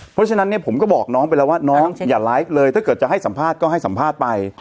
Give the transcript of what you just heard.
เพราะฉะนั้นเนี่ยผมก็บอกน้องไปแล้วว่าน้องอย่าไลฟ์เลยถ้าเกิดจะให้สัมภาษณ์ก็ให้สัมภาษณ์ไป